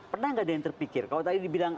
pernah nggak ada yang terpikir kalau tadi dibilang